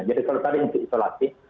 jadi kalau tadi untuk isolasi